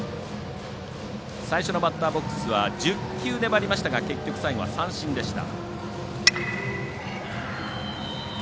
最初のバッターボックスは１０球、粘りましたが結局、最後は三振でした。